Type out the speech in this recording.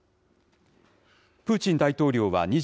プーチン大統領は２５日、